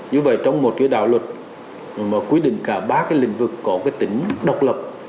như vậy trong một cái đạo luật mà quy định cả ba cái lĩnh vực có cái tính độc lập